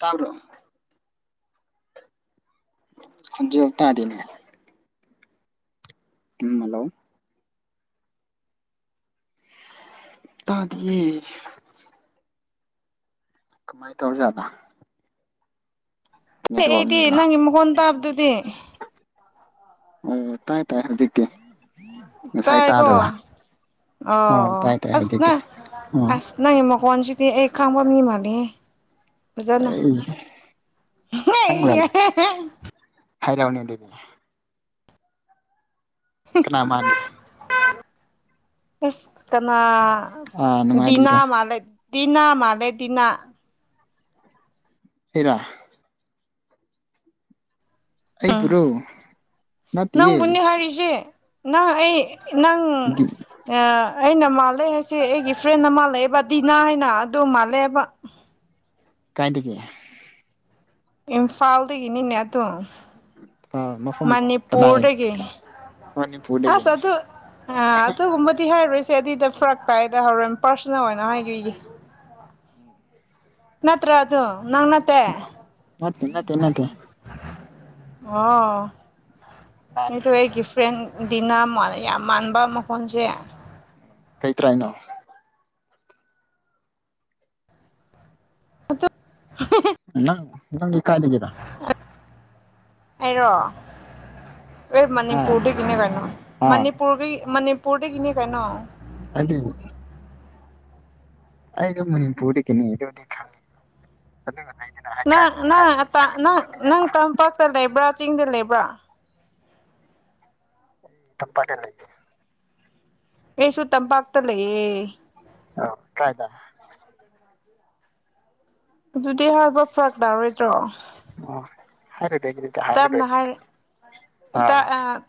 ꯇꯥꯕ꯭ꯔꯣ ꯈꫭꯟꯖꯦꯟ ꯇꯗꯦꯅꯦ ꯎꯝ ꯍꯜꯂꯣ ꯇꯗꯤꯌꯦ ꯀꯃꯥꯏ ꯇꯧꯖꯗ ꯍ ꯑꯩꯗꯤ ꯅꯦꯠꯋꯥꯛꯅꯔꯣ ꯅꯪꯒꯤ ꯃꯒꯣꯟ ꯇꯥꯕꯗꯨꯗꯤ ꯑꯣ ꯇꯥꯏ ꯇꯥꯏ ꯍꯥꯎꯖꯥꯛꯇꯤ ꯇꯥꯏ ꯀꯣ ꯑꯣ ꯇꯥꯏ ꯇꯥꯏ ꯑꯁ ꯍꯧꯖꯤꯛꯇꯤ ꯅꯪ ꯑꯣ ꯑꯁ ꯅꯪꯒꯤ ꯃꯈꫭꯜꯁꯤꯗꯤ ꯑꯩ ꯈꯪꯕ ꯃꯤ ꯃꯥꯜꯂꯦꯍꯦ ꯑꯩ [inaudible] ꯍꯥꯏ ꯔꯥꯎꯅꯤꯗꯕꯤꯅ ꯀꯅꯥ ꯃꯟꯒꯦ꯫ ꯑꯦꯁ ꯀꯅꯥ ꯑꯥ ꯗꯤꯅꯥ ꯅꯨꯡꯉꯥꯏꯔꯤꯗ ꯃꯥꯂꯦ꯫ ꯗꯤꯅꯥ ꯃꯥꯜꯂꯦ ꯗꯤꯅ ꯏꯔꯥ ꯎꯝ ꯑꯩꯕꯨꯔꯣ ꯅꯠꯇꯤꯌꯦ ꯅꯪꯕꯨꯅꯤ ꯍꯥꯏꯔꯤꯁꯦ ꯅꯪ ꯑꯩ ꯅꯪ ꯗꯤ ꯑꯩꯅ ꯃꯥꯜꯂꯦ ꯍꯥꯏꯁꯦ ꯑꯩꯒꯤ ꯐ꯭ꯔꯦꯟ ꯃꯥꯜꯂꯑꯦꯕ ꯗꯤꯅꯥ ꯍꯥꯏꯅ ꯑꯗꯨ ꯃꯥꯜꯂꯦꯑꯦꯕ ꯀꯥꯏꯗꯒꯤ ꯏꯝꯐꯥꯜꯗꯒꯤꯅꯤꯅꯦ ꯑꯗꯨ ꯑꯥ ꯃꯐꯝ ꯀꯗꯥꯏ ꯃꯅꯤꯄꯨꯔꯗꯒꯤ꯫ ꯃꯅꯤꯄꯨꯔꯗꯒꯤ ꯑꯁ ꯑ ꯑꯗꯨ ꯑ ꯑ ꯑꯗꯨ ꯍꯝꯕꯗꯤ ꯍꯥꯏ ꯍꯥꯏꯣꯏꯁꯤ ꯑ ꯐꯔꯛ ꯀꯥꯏꯗ ꯍꯣꯔꯦꯟ ꯄꯥꯔꯁꯅꯦꯜ ꯑꯣꯏꯅ ꯍꯥꯏꯗꯒ [inaudible] ꯅꯠꯇ꯭ꯔ ꯑꯗꯨꯣ ꯅꯪ ꯅ ꯃꯠꯇꯦ ꯅꯠꯇꯦ ꯅꯠꯇꯦ ꯑꯣ ꯂꯥꯜꯂꯦ ꯍꯇ ꯑꯩꯒꯤꯐ ꯐ꯭ꯔꯦꯟ ꯗꯤꯅ ꯌꯥꯝ ꯃꯥꯟꯕ ꯃꯈꯣꯟꯁꯦ ꯀꯩꯇ꯭ꯔꯥꯄꯅꯣ? ꯑꯗꯨ ꯅꯪ ꯅꯪ ꯀꯥꯏꯗꯗꯒꯤꯔꯥ ꯑꯩꯔꯣ ꯑꯦ ꯍꯥ ꯃꯅꯤꯄꯨꯔꯗ ꯀꯅꯦ ꯀꯩꯅꯣ ꯑꯥ ꯃꯅꯤꯄꯨꯔꯒꯤ ꯃꯅꯤꯄꯨꯔꯗ ꯀꯅꯦ ꯀꯩꯅꯣ ꯑꯗꯨꯗ ꯑꯩꯗꫭ ꯃꯅꯤꯄꯨꯔ ꯑꯗꯨꯗꯤ ꯀꯨꯪ ꯑꯗꯨꯅ ꯪ ꯅꯪ ꯅꯪ ꯇꯝꯄꯥꯛꯇ ꯂꯩꯕ꯭ꯔꯥ ꯆꯤꯡꯗ ꯂꯩꯕ꯭ꯔꯥ? ꯄꯥꯝꯄꯛꯇ ꯂꯩ꯫ ꯑꯩꯁꯨ ꯇꯝꯄꯥꯛꯇ ꯂꯩꯌꯦ꯫ ꯑ ꯀꯥꯏꯗ [inaudible] ꯑꯗꯨꯗꯤ ꯍꯥꯏꯕ ꯐꯔꯛ ꯇꯥꯔꯣꯏꯗ꯭ꯔꯣ? ꯑꯣ ꯍꯔꯗꯥ꯫ ꯇꯞꯅ ꯍꯥꯏꯔꯞ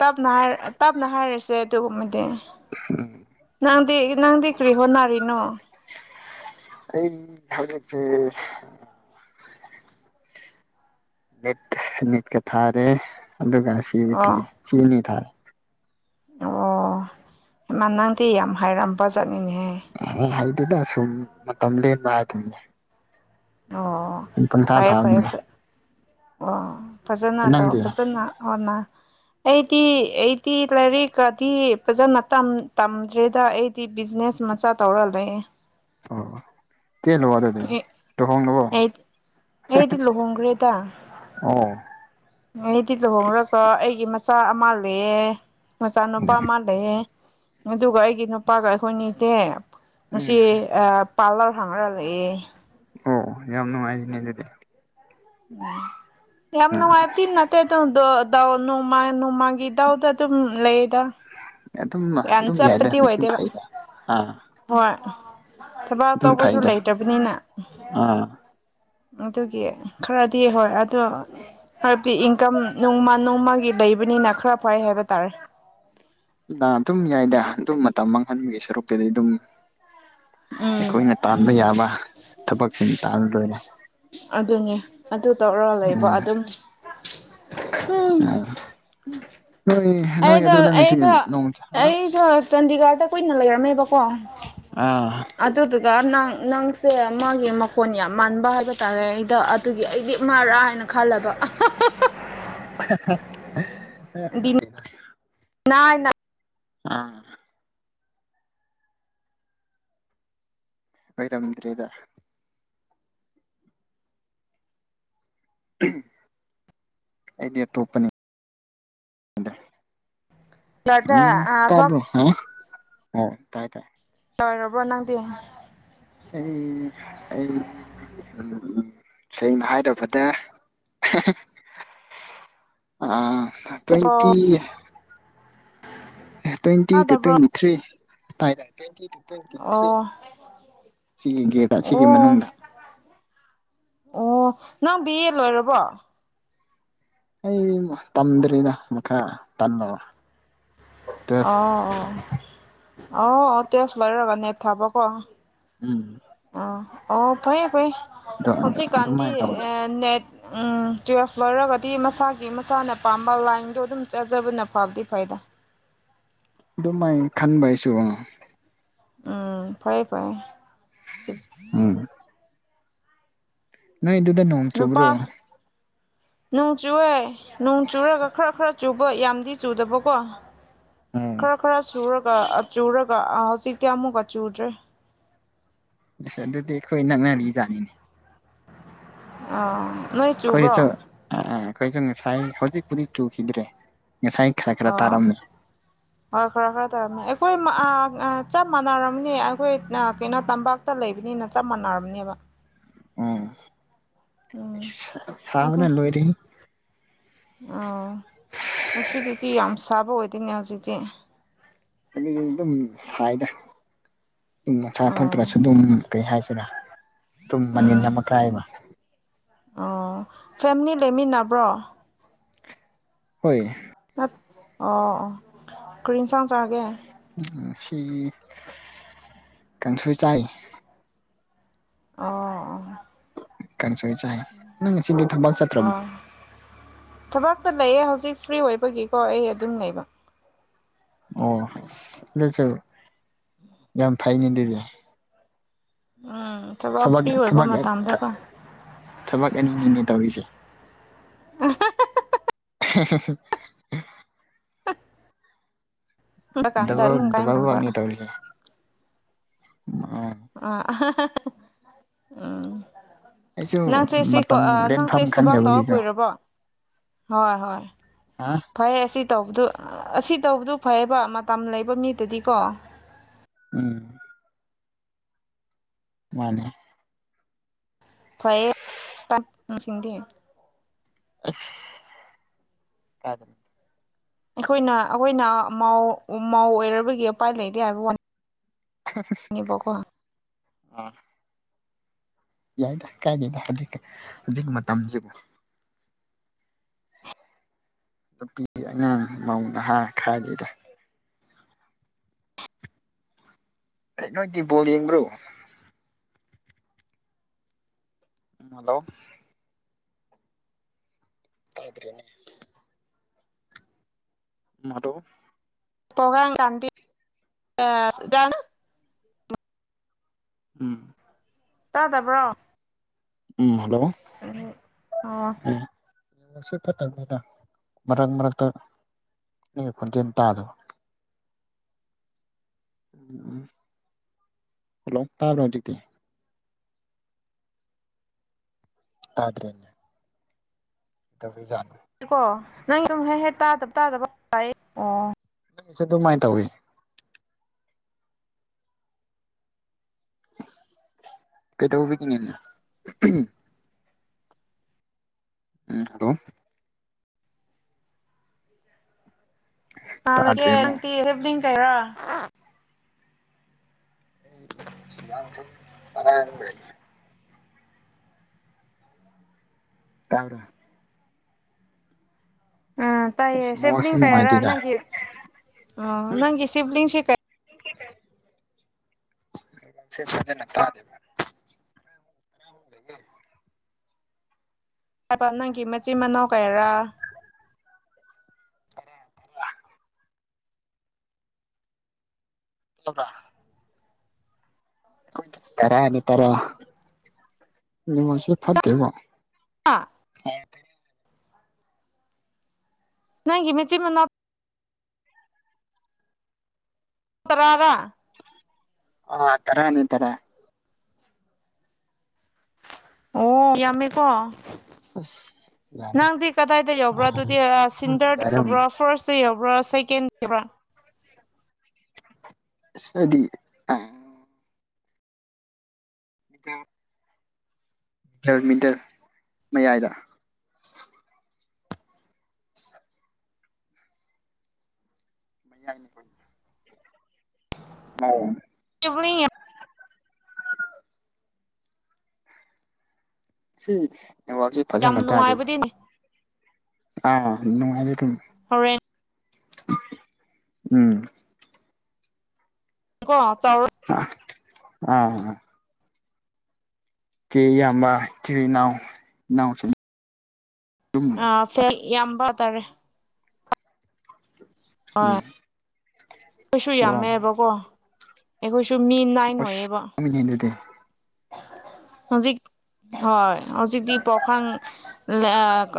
ꯇꯞꯅ ꯍꯥꯏꯔꯁꯦ ꯑꯗꯨꯒꯨꯝꯕꯗꯤ꯫ ꯅꯪꯗꯤ ꯅꯪꯗꯤ ꯀ꯭ꯔꯤ ꯍꯣꯅꯔꯤꯅꯣ? ꯑꯩ ꯍꯧꯖꯤꯛꯁꯦ ꯅꯤꯠ ꯅꯤꯠꯀ ꯊꯥꯔꯦ ꯑꯗꯨꯒ ꯁꯤꯕꯨ ꯊꯤ ꯑꯣ ꯆꯤꯅꯤ ꯊꯥꯔꯦ꯫ ꯑꯣ ꯏꯃꯥ ꯅꯪꯗꯤ ꯌꯥꯝ ꯍꯥꯏꯔꯝꯕ ꯆꯠꯅꯤꯅꯦꯍꯦ꯫ ꯑ ꯍꯩꯗꯨꯅ ꯁꯨꯝ ꯃꯇꯝ ꯂꯦꯟꯕ ꯍꯥꯏꯗꯣꯏꯅꯦ꯫ ꯑꯣ ꯐꯔꯦ ꯐꯔꯦ ꯊꯥꯕꯅꯤꯅ ꯑꯣ ꯐꯖꯅ ꯇꯧ ꯅꯪꯗꯤ ꯐꯖꯅ ꯑꯣꯟꯅ ꯑꯩꯗꯤ ꯑꯩꯗꯤ ꯂꯥꯏꯔꯤꯛꯀꯗꯤ ꯐꯖꯅ ꯇꯝꯗ꯭ꯔꯦꯗ ꯑꯩ ꯇꯤ ꯕꯤꯖꯤꯅꯦꯁ ꯃꯆꯥ ꯇꯧꯔ ꯂꯩ꯫ ꯑꯣ ꯀꯩꯅ ꯗ ꯇ ꯍ ꯂꯕꯣ ꯑꯩ ꯑꯩꯗꯤ ꯂꯨꯍꯣꯡꯈ꯭ꯔꯦꯗ ꯑꯣ ꯑꯩꯗꯤ ꯂꯨꯍꯣꯡꯡꯂꯄꯣ ꯑꯩꯒꯤ ꯃꯆꯥ ꯑꯃ ꯂꯩ ꯃꯆꯥꯅꯨꯄꯥ ꯑꯃ ꯂꯩꯌꯦ꯫ꯑꯗꯨꯒ ꯑꯩꯒꯤ ꯅꯨꯄꯥꯒ ꯑꯩꯈꯣꯏꯅꯤꯁꯦ ꯃꯁꯤ ꯎꯝ ꯑꯥ ꯄꯥꯔꯂꯔ ꯍꯪ꯭ꯔ ꯂꯩꯌꯦ꯫ ꯑꯣ ꯌꯥꯝ ꯅꯨꯡꯉꯥꯏꯖꯅꯦ ꯑꯗꯨꯗꯤ ꯎꯝ ꯌꯥꯝꯅ ꯍꯥꯏꯇ ꯅꯠꯇ ꯇꯨ ꯗꯥ ꯅꯣꯡꯃ ꯅꯣꯡꯃꯥꯡꯒꯤ ꯏꯗꯥꯎꯗ ꯑꯗꯨꯝ ꯂꯩꯌꯦꯗ꯫ ꯑꯗꯨꯝ ꯌꯥꯝ ꯑꯗꯨꯝ ꯌꯥꯏꯗ ꯆꯠꯄꯗꯤ ꯑꯗꯨꯝ ꯑꯣꯏꯗꯦꯕ ꯐꯩꯗ ꯑꯥ ꯍꯣꯏ ꯊꯕꯛ ꯑꯗꯨꯝ ꯇꯧꯕꯁꯨ ꯐꯩꯗ ꯂꯩꯇꯕꯅꯤꯅ ꯑꯥ ꯑꯗꯨꯒꯤ ꯈꯔꯗꯤ ꯍꯣꯏ ꯑꯗꯣ ꯍꯥꯏꯕꯗꯤ ꯏꯟꯀꯝ ꯅꯣꯡꯃ ꯅꯣꯡꯃꯒꯤ ꯂꯩꯕꯅꯤꯅ ꯈꯔ ꯐꯩ ꯍꯥꯏꯕ ꯇꯥꯔꯦ ꯑꯗꯨꯝ ꯌꯥꯏꯗ ꯑꯗꯨꯝ ꯃꯇꯝ ꯃꯥꯡꯍꯟꯕꯒꯤ ꯁꯔꯨꯛꯇꯨꯗꯤ ꯑꯗꯨꯝ ꯎꯝ ꯑꯩꯈꯣꯏꯅ ꯇꯥꯟꯕ ꯌꯥꯕ ꯊꯕꯛꯁꯤꯡ ꯇꯥꯟꯕ ꯂꯣꯏꯔꯦ ꯑꯗꯨꯅꯦ ꯑꯗꯨ ꯇꯧꯔ ꯂꯩꯕ ꯎꯝ ꯑꯗꯨꯝ ꯎꯝ ꯍꯣꯏ ꯑꯩꯗꯣ ꯑꯩꯗꯣ ꯑꯩꯗꯣ ꯆꯥꯟꯗꯤꯒꯔꯗ ꯀꯨꯏꯅ ꯂꯩꯔꯝꯃꯦꯕꯀꯣ ꯑꯥ ꯑꯗꯨꯗꯨꯒ ꯅꯪ ꯅꯪꯁꯦ ꯃꯥꯒꯤ ꯃꯈꯣꯟ ꯌꯥꯝ ꯃꯟꯥꯟꯕ ꯍꯥꯏꯕ ꯇꯥꯔꯦ ꯑꯩꯗ ꯑꯗꯨꯒꯤ ꯑꯩꯗꯤ ꯃꯥꯔꯥ ꯍꯥꯏꯅ ꯈꯜꯂꯦꯕ ꯑ ꯃꯦꯡ [unintelligible] ꯅ ꯅ [unintelligible] ꯑꯥ ꯑꯣꯏꯔꯝꯗ꯭ꯔꯦꯗ ꯑꯩꯗꯤ ꯑꯇꯣꯞꯄꯅꯤ ꯎꯝ ꯊꯕꯛ ꯇꯕ꯭ꯔꫭ ꯍ ꯇꯥꯏ ꯇꯥꯏ ꯇꯔꯕꯣ ꯅꯪꯗꯤ ꯑꯩ ꯑꯩꯗꯤ ꯎꯝ ꯁꯦꯡꯅ ꯍꯥꯏꯔꯕꯗ ꯑ ꯇ꯭ꯋꯦꯟꯇꯤ ꯆꯥꯗꯕ꯭ꯔꯣ twenty two twenty three twenty two twenty three ꯑꯣ ꯁꯤꯒꯤ ꯒꯦꯗ ꯁꯤꯒꯤ ꯑꯣ ꯃꯅꯨꯡꯗ ꯑꯣ ꯅꯪ ꯕꯤ ꯑꯦ ꯂꯣꯏꯔꯕꯣ ꯑꯩ ꯇꯝꯗ꯭ꯔꯤꯗ ꯃꯈꯥ ꯇꯜꯂꯕ ꯑꯣ ꯇꯨꯋꯦꯜꯐ ꯑꯣ ꯑꯣ ꯑꯣ ꯇ ꯐ ꯂꯔ ꯔꯔꯕ ꯅꯦꯠ ꯊꯕ ꯀꯣ ꯎꯝ ꯑ ꯑꯣ ꯐꯩꯌꯦꯦ ꯐꯌꯦꯦ ꯑꯣꯖꯤ ꯀꯥꯟꯗꯤ ꯑꯗꯨꯃꯥꯏꯅ ꯇꯧꯋꯦ ꯅꯦꯠ ꯎ ꯇꯨꯋꯜꯐ ꯂꯧꯔꯒꯗꯤ ꯃꯁꯥꯒꯤ ꯃꯁꯥꯅ ꯄꯥꯝꯕ ꯂꯥꯏꯟꯗꯣ ꯑꯗꯨꯝ ꯆꯥꯖꯕꯅ ꯐꯕꯗꯤ ꯐꯩꯗ ꯑꯗꯨꯃꯥꯏ ꯈꯟꯕ ꯍꯥꯏꯁꯨ ꯎꯝ ꯐꯌꯦꯦ ꯐꯔꯦ ꯎꯝ ꯅꯣꯏ ꯑꯗꯨꯗ ꯅꫭꯡ ꯅꯨꯄꯥ ꯅꯣꯡ ꯆꯨꯑꯦ ꯅꯣꯡ ꯆꯨꯔꯒ ꯈꯔ ꯈꯔ ꯆꯨꯕ ꯌꯥꯝꯗꯤ ꯆꯨꯗꯕꯀꯣ ꯎꯝ ꯈꯔ ꯈꯔ ꯁꯨꯔꯒ ꯑꯆꯨꯔꯒ ꯍꯧꯖꯤꯛꯇꯤ ꯑꯃꯨꯛꯀ ꯆꯨꯗ꯭ꯔꯦ ꯑꯁ ꯑꯗꯨꯗꯤ ꯑꯩꯈꯣꯏ ꯅꯛꯅꯔꯤꯖꯥꯠꯅꯤꯅꯦ ꯑꯥ ꯅꯣꯏ ꯆꯨꯕ꯭ꯔꯣ ꯑꯥ ꯑꯩꯈꯩꯁꯨ ꯉꯁꯥꯏ ꯍꯧꯖꯤꯛꯄꯨꯗꯤ ꯆꯨꯈꯤꯗ꯭ꯔꯦ ꯉꯁꯥꯏ ꯈꯔ ꯈꯔ ꯑꯥ ꯇꯥꯔꯝꯃꯦ [inaudible] ꯍꯣꯏ ꯈꯔ ꯈꯔ ꯇꯧꯔꯝꯃꯦ ꯑꯩꯈꯣꯏ ꯆꯞ ꯃꯥꯟꯅꯔꯝꯅꯦ ꯑꯩꯈꯣꯏ ꯀꯩꯅꯣ ꯇꯝꯄꯥꯛ ꯇ ꯂꯩꯕꯅꯤꯅ ꯆꯞ ꯃꯥꯟꯅꯔꯝꯅꯦꯕ ꯎꯝ ꯎꯝ ꯁꯥꯕꯅ ꯂꯣꯏꯔꯦꯍꯩ ꯑꯣ ꯅꯅꯨꯡꯁꯤꯗꯨꯗꯤ ꯌꯥꯝ ꯁꯥꯕ ꯑꯣꯏꯗꯣꯏꯅꯦ ꯍꯧꯖꯤꯛꯇꯤ ꯑ ꯑꯗꯨꯝ ꯁꯥꯏꯗ ꯑꯗꯨꯝ ꯃꯆꯥ ꯑꯣ ꯊꯣꯛꯇ꯭ꯔꯁꯨ ꯑꯗꯨꯝ ꯀꯩ ꯍꯥꯏꯁꯤꯅ ꯑꯗꯨꯝ ꯃꯅꯤꯟ ꯎꯝ ꯑꯃ ꯀꯥꯏꯕ ꯑꯣ ꯐꯦꯃꯤꯂꯤ ꯂꯩꯃꯤꯟꯅꯕ꯭ꯔꯣ ꯍꯣꯏ ꯅꯠ ꯑꯣ ꯑꯣ ꯀꯔꯤ ꯏꯟꯁꯥꯡ ꯆꯥꯒꯦ ꯎꯝ ꯉꯁꯤ ꯀꯥꯡꯁꯣꯏ ꯆꯥꯏ ꯑꯣ ꯑꯣ ꯀꯥꯡꯁꯣꯏ ꯆꯥꯏ ꯅꯪ ꯉꯁꯤꯗꯤ ꯊꯕꯛ ꯆꯇ꯭ꯔꯕꯣ ꯊꯕꯛꯇꯣ ꯂꯩꯌꯦ ꯍꯧꯖꯤꯛ ꯐ꯭ꯔꯤ ꯑꯣꯏꯕꯒꯤꯀꯣ ꯑꯩ ꯑꯗꯨꯝ ꯂꯩꯕ ꯑꯣ ꯑꯁ ꯑꯗꯨꯁꯨ ꯌꯥꯝ ꯐꯩꯅꯦ ꯑꯗꯨꯗꯤ ꯎꯝ ꯊꯕꯛ ꯐ꯭ꯔꯤ ꯑꯣꯏꯕ ꯃꯇꯝꯗꯀꯣ ꯊꯕꯛ ꯑꯅꯤ ꯅꯤꯅꯦ ꯇꯧꯔꯤꯁꯦ ꯍꯥ ꯍꯥ [inaudible] ꯀꯥꯟꯗ ꯗꯕꯜ ꯑꯗꯨꯝ ꯀꯥꯏ ꯗꯕꯜ ꯐꯪꯕ ꯋꯥꯛꯅꯤ ꯇꯧꯔꯤꯁꯦ ꯑ ꯑ ꯎꯝ ꯑꯩꯁꯨ ꯅꯪꯁꯦ ꯁꯤ ꯀꯣ ꯃꯇꯝ ꯑ ꯅꯪꯁꯦ ꯂꯦꯟꯐꯝ ꯏꯁ ꯊꯕꯥꯛ ꯇꯧꯔ ꯈꯪꯗꯕꯒꯤꯀꯣ ꯀꯨꯏꯔꯕꯣ ꯍꯣꯏ ꯍꯣꯏ ꯑ ꯐꯩꯌꯦ ꯑꯁꯤ ꯇꯧꯕꯗꯨ ꯑꯁꯤ ꯇꯧꯕꯗꯨ ꯐꯩꯌꯦꯕ ꯃꯇꯝ ꯂꯩꯕ ꯃꯤꯗꯗꯤꯀꯣ ꯎꯝ ꯃꯥꯟꯅꯦ ꯐꯩꯌꯦ ꯇꯞ ꯅꯨꯡꯁꯤꯡꯗꯤ ꯑꯁ ꯈꯥ ꯑꯩꯈꯣꯏꯅ ꯑꯩꯈꯣꯏꯅ ꯃꯥꯎ ꯃꯥꯎ ꯑꯣꯏꯔꯕꯒꯤ ꯎꯄꯥꯏ ꯂꯩꯇꯦ ꯍꯥꯏꯕ ꯋꯥꯅꯤ [inaudible] ꯅꯤꯕꯀꯣ ꯎꯝ ꯌꯥꯏꯗ ꯀꯥꯏꯗꯦꯗ ꯍꯧꯖꯤꯛ ꯍꯧꯖꯤꯛ ꯃꯇꯝꯖꯤꯕꯨ ꯅꯨꯄꯤꯗꯤ ꯑꯉꯥꯡ ꯃꯧ ꯅꯍꯥ ꯈꯥꯏꯗꯦꯗ ꯑꯦ ꯅꯣꯏꯗꯤꯕꯣꯜ ꯌꯦꯡꯕ꯭ꯔꯣ ꯎꯝ ꯍꯜꯂꯣ ꯇꯗ꯭ꯔꯦꯅꯦ ꯃꯗꯣꯞ ꯄꯒ ꯆꯥꯟꯗꯤ ꯏꯅ [unintelligible] ꯎꯝ ꯇꯥꯗꯕ꯭ꯔꯣ ꯎꯝ ꯍꯜꯂꯣ ꯆꯍꯤ ꯑꯣ ꯅꯪꯁꯨ ꯐꯠꯇꯕꯅꯤꯅ ꯃꯔꯛ ꯃꯔꯛꯇ ꯅꯪꯒꯤ ꯈꯣꯟꯖꯦꯜ ꯇꯥꯗꯕ ꯎꯝ ꯍꯜꯂꯣ ꯇꯥꯕ꯭ꯔꯣ ꯍꯧꯖꯤꯛꯇꯤ ꯇꯥꯗ꯭ꯔꯦꯅꯦ ꯇꯧꯏꯖꯥꯠ ꯀꯣ ꯅꯪ ꯑꯗꯨꯨꯝ ꯍꯦꯛ ꯍꯦꯛ ꯇꯥꯗꯕ ꯇꯥꯗꯕ ꯂꯥꯏ ꯑꯣ ꯑꯩꯒꯤꯁꯨ ꯑꯗꯨꯃꯥꯏꯅ ꯇꯧꯏꯤ ꯀꯩꯇꯧꯕꯒꯤꯅꯤꯅꯦ ꯎꯝ ꯍꯂꯣ ꯅꯒꯦꯡ ꯇꯥꯗ꯭ꯔꯦꯕꯣ ꯅꯪꯇꯤ ꯁꯤꯕꯂꯤꯡ ꯇꯩꯔꯣ ꯑꯩ ꯁꯤꯒꯈ ꯇꯔꯥ ꯂꯩ [unintelligible] ꯇꯥꯎ꯭ꯔꯥ ꯑꯥ ꯇꯥꯏꯌꯦ ꯑꯁ ꯅꯦꯠꯋꯥꯛꯁꯦ ꯁꯤꯕꯂꯤꯡ ꯀꯥꯏꯌꯥꯔ ꯅꯨꯡꯉꯥꯏꯇꯦꯗ ꯅꯪꯒꯤ ꯑ ꯅꯪꯒꯤ ꯁꯤꯕꯂꯤꯡꯁꯤ ꯀꯥꯏ ꯁꯦ ꯐꯖꯅ ꯇꯗꯦꯕ ꯍꯥꯏꯕ ꯅꯪꯒꯤ ꯃꯆꯤꯟ ꯃꯅꯥꯎ ꯀꯌꯥꯔꯥ ꯑꯍꯨꯝ ꯇꯔ [unintelligible] ꯂꯣꯕꯔꯥ ꯇꯔꯥꯅꯤ ꯇꯔ ꯉꯣꯟꯁ ꯐꯠꯇꯦꯕꯣ ꯑ ꯅꯪ ꯃꯆꯦ ꯃꯅ ꯀꯅꯔ ꯑꯣ ꯇꯔꯥꯅꯤ ꯇꯔꯥ ꯑꯣ ꯌꯥꯝꯃꯤꯀꯣ ꯑꯁ ꯌꯥꯗꯦ ꯅꯪꯗꯤ ꯀꯗꯥꯏꯗ ꯌꯧꯕ꯭ꯔꯣ ꯑꯗꯨꯗꯤ ꯑꯗꯨꯝ ꯁꯤꯟꯗꯔꯗ ꯌꯥꯔꯝ ꯌꯧꯕ꯭ꯔꯣ ꯐꯥꯔꯁꯇ ꯌꯧꯕ꯭ꯔꯣ ꯁꯦꯀꯦꯟ [unintelligible] ꯁꯔꯤ ꯑ [unintelligible] [inaudible] ꯃꯤꯗꯜ ꯃꯌꯥꯏꯗ [inaudible] ꯑ ꯆꯕꯅꯤ ꯁꯤ ꯅꯦꯠꯋꯥꯛꯁꯤ ꯌꯥꯝ ꯅꯨꯡꯉꯥꯏꯕꯗꯤꯅꯦ ꯑꯥ ꯅꯨꯡꯉꯥꯏꯖꯦ ꯗꯨꯝ ꯍꯣꯔꯦꯟ ꯎꯝ ꯀꯣ ꯆꯧꯔ ꯑꯥ ꯆꯦ ꯏꯌꯥꯝꯕ ꯆꯦ ꯏꯅꯥꯎ ꯏꯅꯥꯎꯁꯤꯡ ꯑꯗꯨꯝ ꯑ ꯐꯦꯛ ꯌꯥꯝꯕꯇꯥꯥꯔꯦ ꯎꯝ ꯑꯩꯈꯣꯏꯁꯨ ꯑꯣ ꯌꯥꯝꯃꯦꯕꯀꯣ ꯑꯩꯈꯣꯏꯁꯨ ꯃꯤ ꯅꯥꯏꯟ ꯑꯣꯏꯌꯦꯕ [unintelligible] ꯍꯧꯖꯤꯛ ꯍ ꯍꯧꯖꯤꯛꯗꯤ ꯄ꯭ꯔꯈ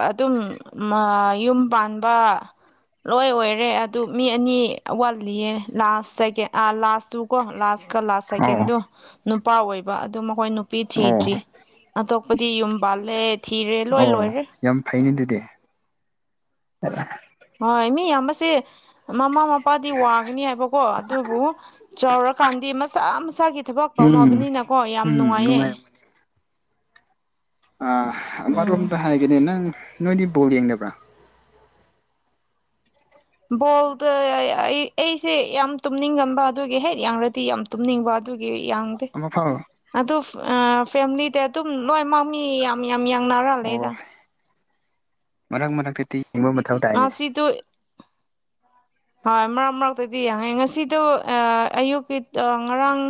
ꯑꯗꯨꯝ ꯌꯨꯝ ꯄꯥꯟꯕ ꯂꯣꯏ ꯑꯣꯏꯔꯦ ꯑꯗꯨ ꯃꯤ ꯑꯅꯤ ꯋꯥꯠꯂꯤꯌꯦ ꯂꯥꯁ ꯆꯒꯦꯠ ꯂꯥꯁꯇꯨꯀꯣ ꯂꯥꯁ ꯀꯂꯥ ꯑꯣ ꯁꯦꯀꯦꯟꯗꯣ ꯅꯨꯄꯥ ꯑꯣꯏꯕ ꯑꯗꯨ ꯃꯈꯣꯏ ꯅꯨꯄꯤ ꯑꯣ ꯊꯤꯗ꯭ꯔꯤ ꯑꯩꯗꯤ ꯌꯨꯝ ꯄꯥꯜꯂꯦ ꯊꯤꯔꯦ ꯂꯣꯏ ꯑꯣ ꯂꯣꯏꯔꯦ ꯌꯥꯝ ꯐꯩꯅꯤ ꯑꯗꯨꯗꯤ ꯍꯣꯏ ꯃꯤꯌꯥꯝꯁꯦ ꯃꯃꯥ ꯃꯄꯥꯗꯤ ꯋꯥꯒꯅꯤ ꯍꯥꯏꯕꯀꯣ ꯑꯗꯨꯕꯨ ꯆꯥꯎꯔꯀꯥꯟꯗꯤ ꯃꯆꯥꯥ ꯃꯁꯥꯒꯤ ꯊꯕꯛ ꯎꯝ ꯇꯧꯅꯕꯅꯤꯅꯀꯣ ꯌꯥꯝ ꯎꯝ ꯅꯨꯡꯉꯥꯏꯌꯦ ꯅꯨꯡꯉꯥꯏꯔꯝꯒꯅꯤ ꯑꯥ ꯎꯝ ꯑꯃꯔꯣꯝꯗ ꯍꯥꯏꯒꯅꯤ ꯅꯪ ꯅꯣꯏꯗꯤ ꯕꯣꯜ ꯌꯦꯡꯗꯕ꯭ꯔꯥ ꯕꯣꯜꯗ ꯑꯩ ꯑꯩꯁꯦ ꯌꯥꯝ ꯇꯨꯝꯅꯤꯡꯉꯝꯕ ꯑꯗꯨꯒꯤ ꯍꯦꯛ ꯌꯥꯡꯔꯗꯤ ꯌꯥꯝ ꯇꯨꯝꯅꯤꯡꯕ ꯌꯥꯡꯗꯦ ꯑꯃꯐꯥꯎ ꯑꯗꯨ ꯐꯦꯂꯤ ꯑꯗꯨꯝ ꯂꯣꯏꯃꯛꯃꯤ ꯌꯥꯝꯌꯥꯡ ꯅꯥꯔꯥ ꯂꯦꯗ ꯑꯣ ꯃꯔꯛ ꯃꯔꯛꯇꯗꯤ ꯌꯦꯡꯕ ꯃꯊꯧ ꯇꯥꯏꯅꯦ ꯁꯤꯗ ꯍꯣꯏ ꯃꯔꯛ ꯃꯔꯛꯇꯗꯤ ꯌꯥꯡꯉ ꯉꯁꯤꯗꯣ ꯑꯌꯨꯛꯀꯤ ꯉꯔꯥꯡ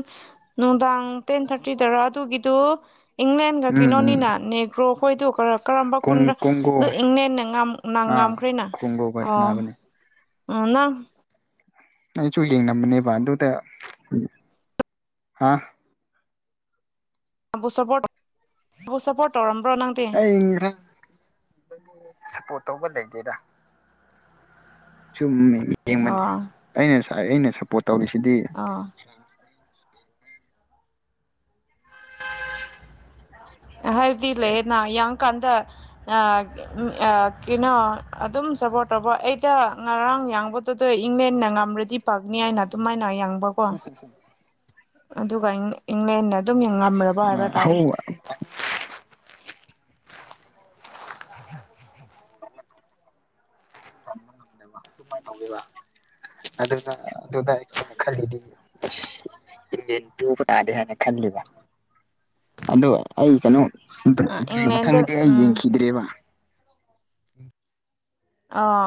ꯅꯨꯡꯗꯥꯡ ꯇꯦꯟ ꯊꯥꯔꯇꯤꯗꯔ ꯑꯗꯨꯒꯤꯗꯨ ꯏꯪꯂꯦꯟꯒ ꯎꯝ ꯎꯝ ꯀꯩꯅꯣꯅꯤꯅ ꯅꯦꯒ꯭ꯔꯣ ꯍꯣꯏꯗꯨ ꯀꯔꯞ ꯀꯔꯝꯕ ꯀꯣꯡ ꯀꯣꯡꯒꯣ ꯈꯨꯟꯗꯗꯣ ꯏꯪꯂꯦꯟꯅ ꯉꯝ ꯑꯥ ꯉꯈ꯭ꯔꯦꯅ ꯀꯣꯡꯒꯣꯒ ꯑꯣ ꯁꯥꯟꯅꯕꯅꯦ ꯑꯅ ꯑꯩꯁꯨ ꯌꯦꯡꯅꯕꯅꯦꯕ ꯑꯗꯨꯗ ꯍꯥ ꯕꯨ ꯁꯄꯠ ꯕꯨ ꯁꯄꯠ ꯇꯔꯝꯕ ꯅꯪ ꯑꯩ ꯁꯞꯄꯣꯔꯠ ꯇꯧꯕ ꯂꯩꯗꯦꯔ ꯁꯨꯝ ꯌꯦꯡꯕꯅꯦ ꯑꯣ ꯑꯩꯅ ꯑꯩꯅ ꯁꯞꯄꯣꯔꯠ ꯇꯧꯔꯤꯁꯤꯗꯤ ꯑꯥ ꯑ ꯎꯝ ꯍꯥꯏꯕꯗꯤ ꯂꯩꯌꯦꯅ ꯌꯥꯝ ꯀꯥꯟꯗ ꯑ ꯀꯩꯅꯣ ꯑꯗꯨꯝ ꯁꯞꯄꯣꯔꯠ ꯇꯧꯕ ꯑꯩꯗ ꯉꯔꯥꯡ ꯌꯥꯡꯕꯗꯨꯗ ꯏꯪꯂꯦꯟꯅ ꯉꯝꯃꯗꯤ ꯄꯥꯛꯅꯤ ꯍꯥꯏꯅ ꯑꯗꯨꯝꯃꯥꯏꯅ ꯌꯥꯝꯪ ꯍꯝ ꯍ ꯍꯝ ꯑꯗꯨꯒ ꯏꯪꯂꯦꯟꯅ ꯑꯗꯨꯝ ꯉꯝꯂꯕ ꯍꯥꯏꯕ ꯇꯥꯔꯦ ꯑꯍꯧ ꯆꯟꯕ ꯉꯝꯗꯕ ꯑꯗꯨꯃꯥꯏꯅ ꯇꯧꯕꯒꯕ ꯑꯗꯨꯅ ꯑꯗꯨꯗ ꯑꯩꯈꯣꯏꯅ ꯈꯜꯂꯤꯗꯤꯣ ꯇꯨꯕ ꯇꯥꯗꯦ ꯍꯥꯏꯅ ꯈꯜꯂꯤꯕ ꯑꯗꯣ ꯑꯩ ꯀꯩꯅꯣ ꯦ ꯏꯪꯂꯦꯟꯗ ꯃꯊꯪꯒꯤꯗꯤ ꯑꯩ ꯎꯝ ꯌꯦꯡꯈꯤꯗ꯭ꯔꯦꯕ ꯑ